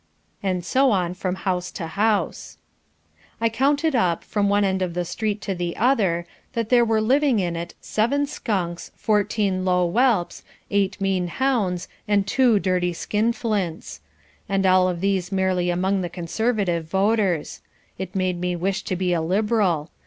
And so on from house to house. I counted up, from one end of the street to the other, that there were living in it seven skunks, fourteen low whelps, eight mean hounds and two dirty skinflints. And all of these merely among the Conservative voters. It made me wish to be a Liberal.